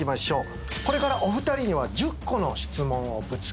これからお二人には１０個の質問をぶつけます。